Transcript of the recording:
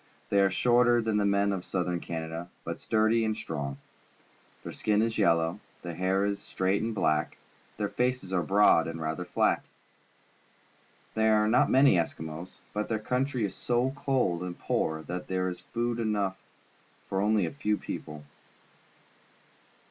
They are shorter than the men of Southern Canada, but sturdj' and strong. Their skin is yellow, their hair is straight and black, their faces are broad and rather flat. There are not many Eskimos, because their country is so cold and poor that there is food enough for only a few people.